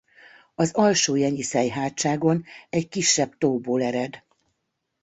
Az Alsó-Jenyiszej-hátságon egy kisebb tóból ered.